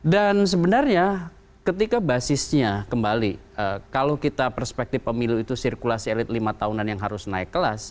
dan sebenarnya ketika basisnya kembali kalau kita perspektif pemilih itu sirkulasi elit lima tahunan yang harus naik kelas